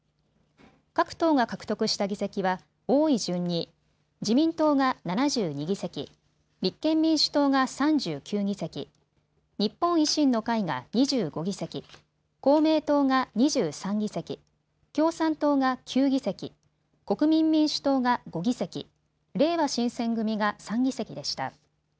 各党が獲得した議席は多い順に自民党が７２議席、立憲民主党が３９議席、日本維新の会が２５議席、公明党が２３議席、共産党が９議席、国民民主党が５議席、れいわ新選組が３議席でした。